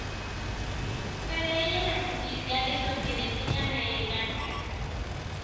Para ella, la simplicidad es lo que define a la elegancia.